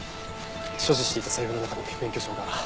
所持していた財布の中に免許証が。